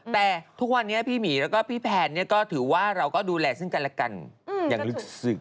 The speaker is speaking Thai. แต่ทุกวันนี้พี่หมีแล้วก็พี่แพนเนี่ยก็ถือว่าเราก็ดูแลซึ่งกันและกันอย่างรู้สึก